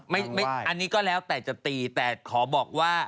อันนี้ก็แล้วแต่จะตีแต่ขอบอกว่า